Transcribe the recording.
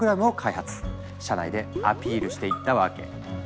社内でアピールしていったわけ。